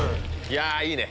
いやいいね。